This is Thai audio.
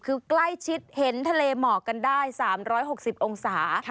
คือใกล้ชิดเห็นทะเลเหมาะกันได้๓๖๐องศา